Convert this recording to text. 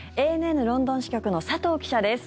ＡＮＮロンドン支局の佐藤記者です。